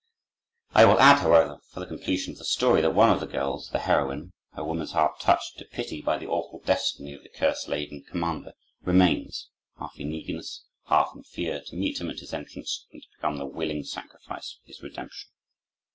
I will add, however, for the completion of the story, that one of the girls, the heroine, her woman's heart touched to pity by the awful destiny of the curse laden commander, remains, half in eagerness, half in fear, to meet him at his entrance and to become the willing sacrifice for his redemption.